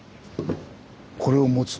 これを持つ。